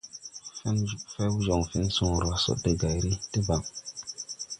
Few joŋ fen soorè wa sod de gayri deban.